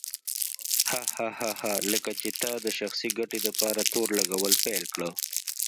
هه هه هه لکه چې تا د شخصي ګټې دپاره تور لګول پيل کړه.